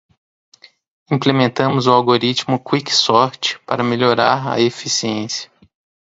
Implementamos o algoritmo Quick Sort para melhorar a eficiência.